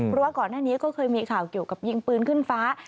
เพราะว่าก่อนหน้านี้ก็เคยมีข่าวเกี่ยวกับยิงปืนขึ้นฟ้า